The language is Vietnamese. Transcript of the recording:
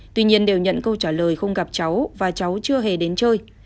tuy nhiên đều nhận câu trả lời không gặp cháu và cháu chưa hề đến chơi